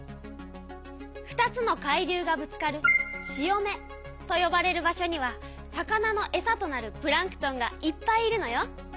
２つの海流がぶつかる潮目とよばれる場所には魚のえさとなるプランクトンがいっぱいいるのよ。